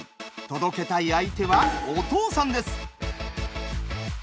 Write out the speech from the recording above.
届けたい相手はお父さんです。